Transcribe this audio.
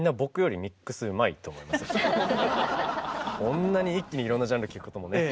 こんなに一気にいろんなジャンル聴くこともね